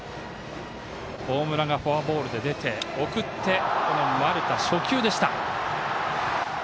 大村がフォアボールで出て送って、丸田、初球でした。